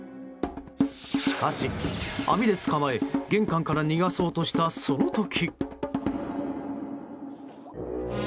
しかし網で捕まえ、玄関から逃がそうとしたその時。